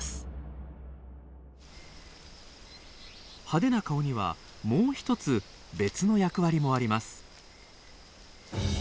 派手な顔にはもう一つ別の役割もあります。